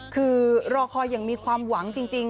คือรอคอยอย่างมีความหวังจริง